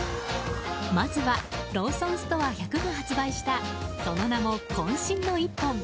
まずはローソンストア１００が発売したその名も、渾身の一本！